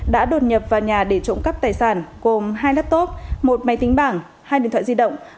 đã đột nhập vào nhà để trộm cắp tài sản gồm hai laptop một máy tính bảng hai điện thoại di động